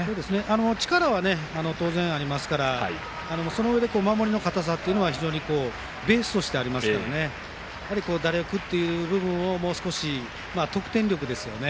力は当然ありますからそのうえで守りの堅さがベースとしてありますから打力という部分でもう少し得点力ですね。